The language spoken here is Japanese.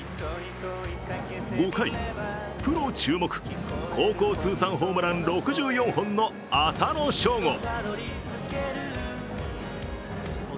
５回、プロ注目、高校通算ホームラン６４本の浅野翔吾。